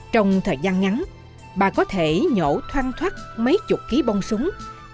trong thời gian ngắn bà có thể nhổ thoang thoát mấy chục ký bông súng